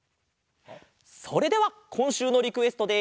それではこんしゅうのリクエストで。